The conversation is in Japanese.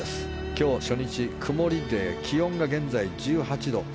今日、初日曇りで気温が現在１８度。